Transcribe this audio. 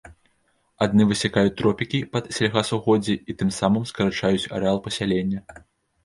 Адны высякаюць тропікі пад сельгасугоддзі і тым самым скарачаюць арэал пасялення.